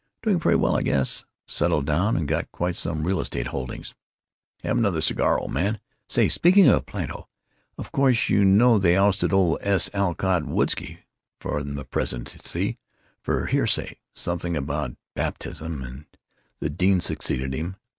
Doing pretty well, I guess; settled down and got quite some real estate holdings.... Have 'nother cigar, old man?... Say, speaking of Plato, of course you know they ousted old S. Alcott Woodski from the presidency, for heresy, something about baptism; and the dean succeeded him....